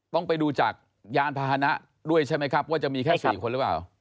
ต้องไปดูจากยานพาหนะด้วยใช่ไหมครับว่าจะมีแค่๔คนหรือเปล่า